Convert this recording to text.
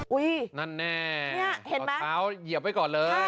นั่นแน่เห็นไหมเท้าเหยียบไว้ก่อนเลย